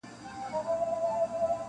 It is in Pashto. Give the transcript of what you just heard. • زه په دې ملنګه ورځ خسرو سمه قباد سمه -